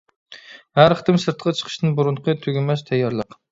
ھەر قېتىم سىرتقا چىقىشتىن بۇرۇنقى تۈگىمەس تەييارلىق!